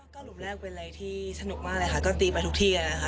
ก็หลุมแรกเป็นอะไรที่สนุกมากเลยค่ะก็ตีไปทุกที่นะคะ